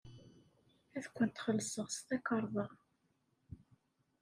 Ad kent-xellṣeɣ s tkarḍa.